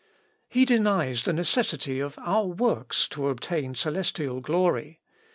He denies the necessity of our works to obtain celestial glory.